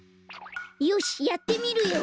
よしっやってみるよ。